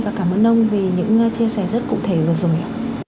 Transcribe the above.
và cảm ơn ông vì những chia sẻ rất cụ thể vừa rồi ạ